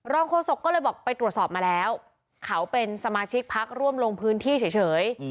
โฆษกก็เลยบอกไปตรวจสอบมาแล้วเขาเป็นสมาชิกพักร่วมลงพื้นที่เฉย